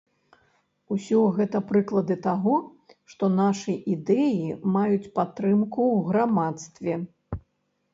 Усё гэта прыклады таго, што нашы ідэі маюць падтрымку ў грамадстве.